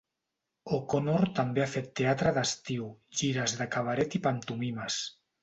O'Connor també ha fet teatre d'estiu, gires de cabaret i pantomimes.